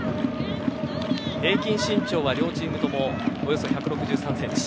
平均身長は、両チームともおよそ１６３センチ。